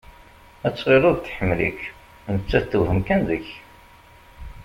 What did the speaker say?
Ad tɣilleḍ tḥemmel-ik, nettat tewhem kan deg-k.